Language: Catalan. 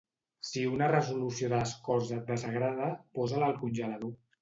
Si una resolució de les Corts et desagrada, posa-la al congelador.